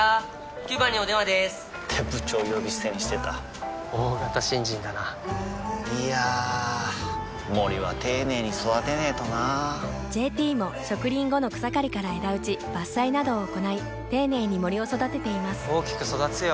９番にお電話でーす！って部長呼び捨てにしてた大型新人だないやー森は丁寧に育てないとな「ＪＴ」も植林後の草刈りから枝打ち伐採などを行い丁寧に森を育てています大きく育つよ